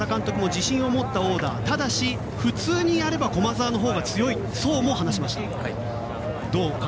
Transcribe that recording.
自信を持ったオーダーただし普通にやれば駒澤のほうが強いとも話しました。